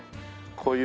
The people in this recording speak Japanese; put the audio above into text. こういう。